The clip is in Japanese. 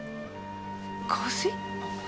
香水？